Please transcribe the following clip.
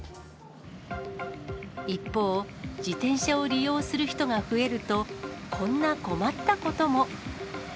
一方、自転車を利用する人が増えると、こんな困ったことも。